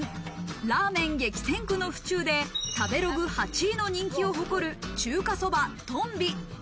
ラーメン激戦区の府中で食べログ８位の人気を誇る、中華そばとんび。